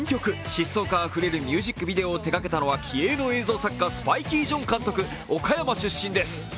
疾走感あふれるミュージックビデオを手がけたのは気鋭の映像作家、スパイキー・ジョン監督、岡山出身です。